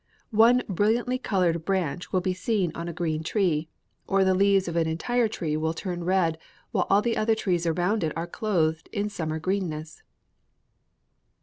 One brilliantly colored branch will be seen on a green tree, or the leaves of an entire tree will turn red while all the other trees around it are clothed in summer greenness."